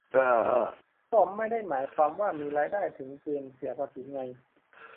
ก็ไม่ได้หมายความว่ามีรายได้ถึงเกณฑ์เสียภาษีไง